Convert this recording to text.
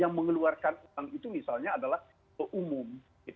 yang mengeluarkan uang itu misalnya adalah keumum